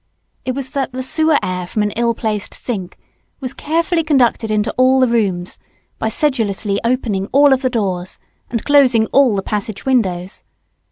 It was that the sewer air from an ill placed sink was carefully conducted into all the rooms by sedulously opening all the doors, and closing all the passage windows.